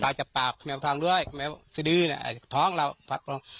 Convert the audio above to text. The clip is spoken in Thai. ป่าวจากปากแหมวท้องด้วยแหมวซื้อดื้อท้องเราผลักลง